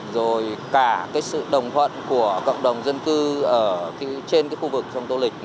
rồi cả cái sự đồng thuận của cộng đồng dân cư ở trên khu vực sông tô lịch